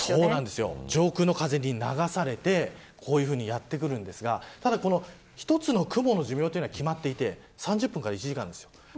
上空の風に流されてこういうふうにやってくるんですが１つの雲の寿命は決まっていて３０分から１時間です。